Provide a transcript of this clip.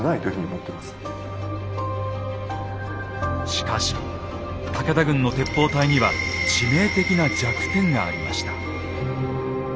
しかし武田軍の鉄砲隊には致命的な弱点がありました。